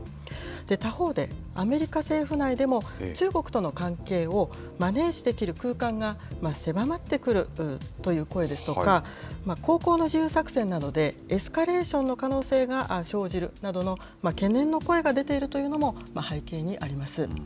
他方で、アメリカ政府内でも、中国との関係をマネージできる空間が狭まってくるという声ですとか、航行の自由作戦などでエスカレーションの可能性が生じるなどの、懸念の声が出ているというのも背景にあります。